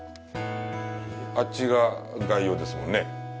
あっちが外洋ですもんね？